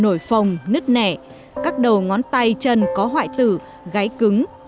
nổi phồng nứt nẻ các đầu ngón tay chân có hoại tử gáy cứng